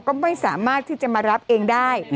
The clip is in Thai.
ก็ไม่สามารถที่จะมารับเองได้